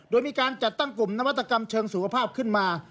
โดยมีการจัดตั้งกลุ่มนวัตกรรมเชิงสุขภาพขึ้นมา